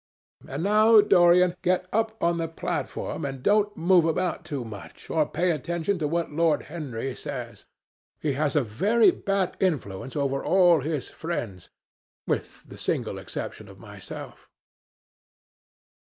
And now, Dorian, get up on the platform, and don't move about too much, or pay any attention to what Lord Henry says. He has a very bad influence over all his friends, with the single exception of myself."